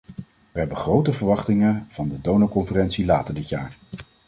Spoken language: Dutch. We hebben grote verwachtingen van de donorconferentie later dit jaar.